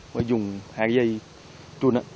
mới dùng hai dây chun